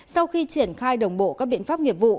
sau khi triển khai đồng bộ các biện pháp nghiệp vụ